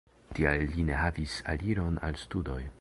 Tial li ne havis aliron al studoj.